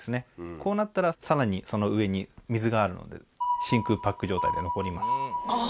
こうなったらさらにその上に水があるので真空パック状態で残ります。